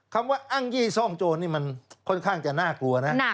คำว่าอ้างยี่ซ่องโจรนี่มันค่อนข้างจะน่ากลัวนะ